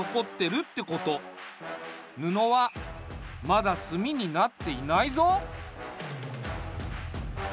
ぬのはまだ炭になっていないぞ。